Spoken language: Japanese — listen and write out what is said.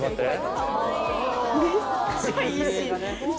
めっちゃいいし。